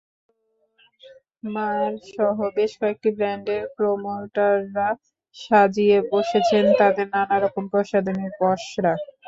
ফ্লোরমারসহ বেশ কয়েকটি ব্র্যান্ডের প্রমোটররা সাজিয়ে বসেছেন তাঁদের নানা রকম প্রসাধনীর পসরা।